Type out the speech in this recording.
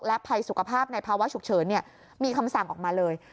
ภัยสุขภาพในภาวะฉุกเฉินมีคำสั่งออกมาเลย